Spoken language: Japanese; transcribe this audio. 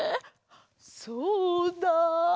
そうだ。